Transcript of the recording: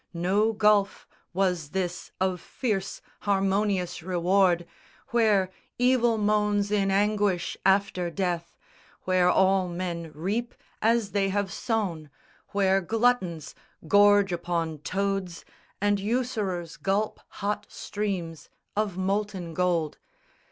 No gulf Was this of fierce harmonious reward, Where Evil moans in anguish after death, Where all men reap as they have sown, where gluttons Gorge upon toads and usurers gulp hot streams Of molten gold.